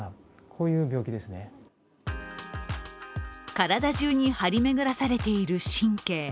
体中に張り巡らされている神経。